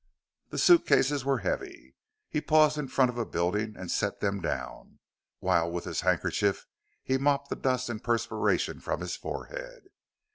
The suit cases were heavy; he paused in front of a building and set them down, while with his handkerchief he mopped the dust and perspiration from his forehead.